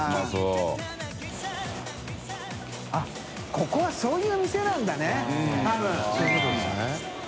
ここはそういう店なんだね多分。